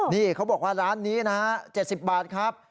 นี่เขาบอกว่าร้านนี้นะฮะ๗๐บาทครับ